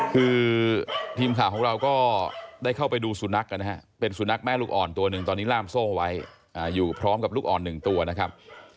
คือทีมข่าวของเราก็ได้เข้าไปดูสุนัขนะฮะเป็นสุนัขแม่ลูกอ่อนตัวหนึ่งตอนนี้ล่ามโซ่ไว้อยู่พร้อมกับลูกอ่อนหนึ่งตัวนะครับ